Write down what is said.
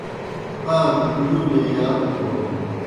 قا گہ کُڑیلیْ اےْ یات تھون